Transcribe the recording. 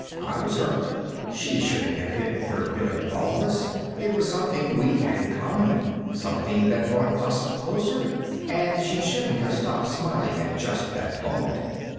I was hurt. She shouldn't have hidden her bit of baldness, it was something we had in common, something that brought us closer. And she shouldn't have stopped smiling at just that moment.